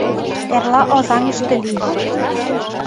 — Эрла Озаҥыште лий!